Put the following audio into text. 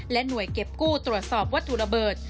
หน่วยเก็บกู้ตรวจสอบวัตถุระเบิด